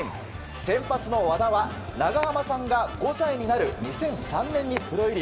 先発の和田は、長濱さんが５歳になる２００３年にプロ入り。